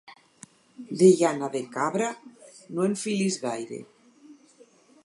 De llana de cabra, no en filis gaire.